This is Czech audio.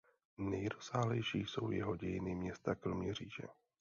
Nejrozsáhlejší jsou jeho Dějiny města Kroměříže.